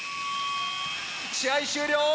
試合終了！